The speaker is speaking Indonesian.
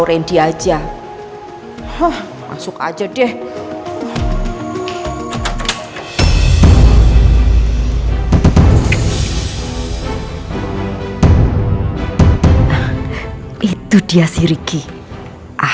terima kasih ma